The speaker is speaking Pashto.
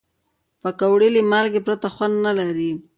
پکورې له مالګې پرته خوند نه لري